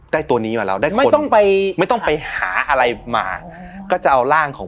ได้ตัวนี้แหว่งเรางั้นไม่ต้องไปหาอะไรมาก็จะเอาร่างของ